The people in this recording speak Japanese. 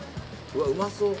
うわうまそう！